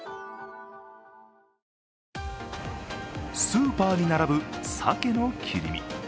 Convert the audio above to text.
スーパーに並ぶさけの切り身。